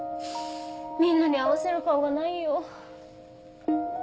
みんなに合わせる顔がないよ。